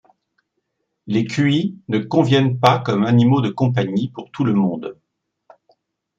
Les cuys ne conviennent pas comme animaux de compagnie pour tout le monde.